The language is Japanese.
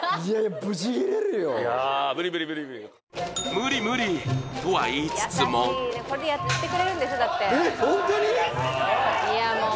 無理無理とは言いつつも優しい、これでやってくれるんでしょう？